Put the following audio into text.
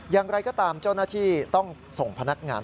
อย่างไรก็ตามเจ้าหน้าที่ต้องส่งพนักงาน